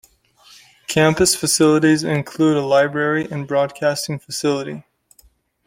Campus facilities include a library and broadcasting facility.